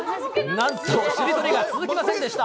なんと、しりとりが続きませんでした。